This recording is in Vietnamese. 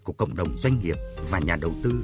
của cộng đồng doanh nghiệp và nhà đầu tư